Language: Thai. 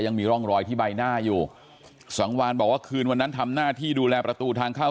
ยังมีร่องรอยที่ใบหน้าอยู่สังวานบอกว่าคืนวันนั้นทำหน้าที่ดูแลประตูทางเข้า